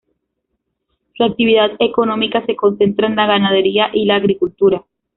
Su actividad económica se concentra en la ganadería y la agricultura.